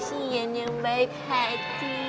siang yang baik hati